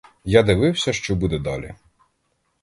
Я дивився, що буде далі.